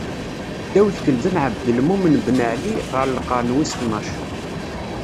Ddaw tgelda n Ɛebdelmumen Ben Ɛli ɣer lqern wis tnac.